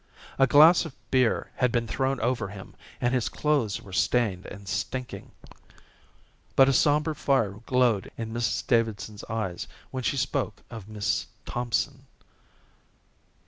A glass of beer had been thrown over him and his clothes were stained and stinking. But a sombre fire glowed in Mrs Davidson's eyes when she spoke of Miss Thompson.